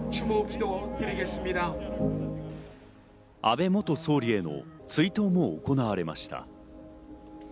安倍元総理への追悼も行われました。